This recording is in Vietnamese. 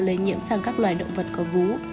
lây nhiễm sang các loài động vật có vú